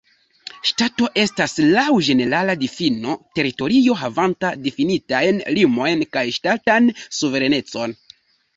Ŝtato estas laŭ ĝenerala difino teritorio havanta difinitajn limojn kaj ŝtatan suverenecon.